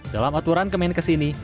dalam aturan kemenkes ini